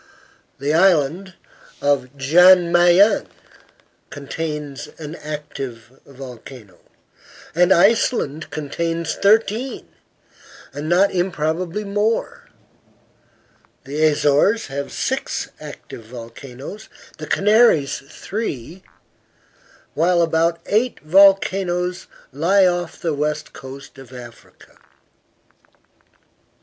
The Island of Jan Mayen contains an active volcano, and Iceland contains thirteen, and not improbably more; the Azores have six active volcanoes, the Canaries three; while about eight volcanoes lie off the west coast of Africa.